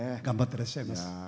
頑張ってらっしゃいます。